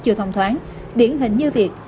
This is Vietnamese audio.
chưa thông thoáng điển hình như việc